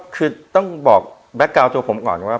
คือต้องบอกแบ็คกาวน์ตัวผมก่อนว่า